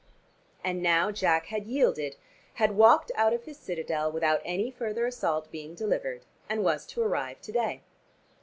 And now Jack had yielded, had walked out of his citadel without any further assault being delivered, and was to arrive to day.